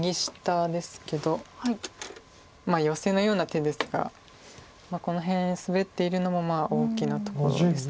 ヨセのような手ですがこの辺スベっているのも大きなところです。